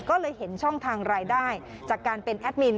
ก็เลยเห็นช่องทางรายได้จากการเป็นแอดมิน